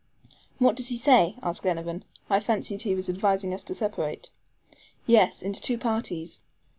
"What does he say?" asked Glenarvan. "I fancied he was advising us to separate." "Yes, into two parties.